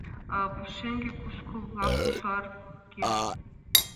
Пушеҥге, кушкыл-влак ужаргеныт.